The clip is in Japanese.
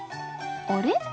あれ？